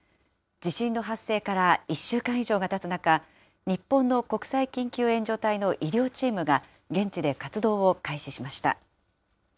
地震の発生から１週間以上がたつ中、日本の国際緊急援助隊の医療チームが現地で活動を開始しました。